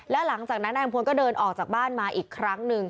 แล้วหลังจากนั้นนายอำพลก็เดินออกจากบ้านมาอีกครั้งหนึ่ง